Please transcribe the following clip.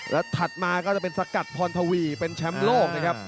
แล้วทัดมาก็จะเป็นศกัฐพรทวี่เป็นแชมป์โลก